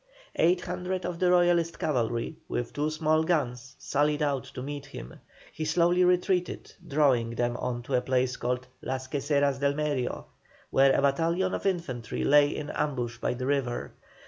Eight hundred of the Royalist cavalry, with two small guns, sallied out to meet him. He slowly retreated, drawing them on to a place called "Las Queseras del Medio," where a battalion of infantry lay in ambush by the river.